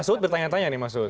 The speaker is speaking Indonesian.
masud bertanya tanya nih masud